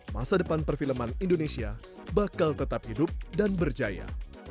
masa depan perfilman indonesia bakal tetap hidup dan berjaya